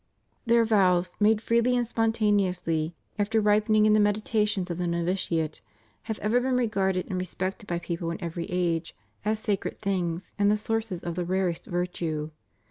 Their vows, made freely and spontaneously, after ripening in the meditations of the novitiate, have ever been regarded and respected by people in every age as sacred things and the sources of the rarest virtue.